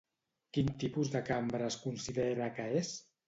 Quin tipus de cambra es considera que és?